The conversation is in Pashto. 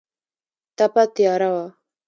تپه تیاره وه.